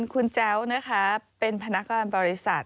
คุณแจ้วนะคะเป็นพนักงานบริษัท